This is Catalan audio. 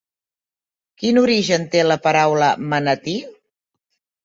Quin origen té la paraula manatí?